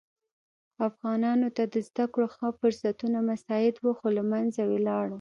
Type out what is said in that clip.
افغانانو ته د زده کړو ښه فرصتونه مساعد وه خو له منځه ولاړل.